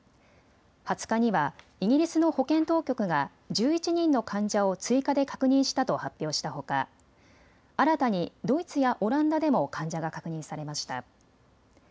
２０日にはイギリスの保健当局が１１人の患者を追加で確認したと発表したほか新たにドイツやオランダでも患者が確認されました。